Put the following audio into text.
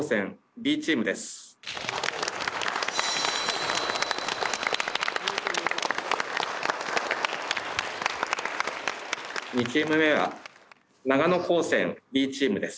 ２チーム目は長野高専Ｂチームです。